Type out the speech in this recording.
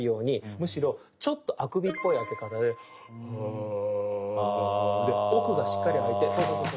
むしろちょっとあくびっぽい開け方であーあーで奥がしっかり開いてそうそうそう。